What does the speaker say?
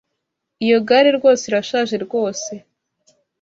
Iyo gare rwose irashaje rwose.